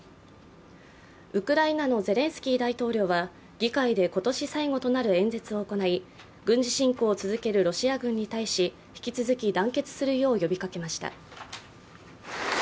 ウクライナのゼレンスキー大統領は議会で今年最後となる演説を行い軍事侵攻を続けるロシア軍に対し引き続き団結するよう呼びかけまけした。